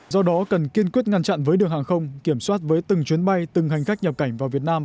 do đó cần kiên quyết ngăn chặn với đường hàng không kiểm soát với từng chuyến bay từng hành khách nhập cảnh vào việt nam